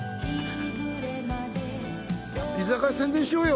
居酒屋宣伝しようよ。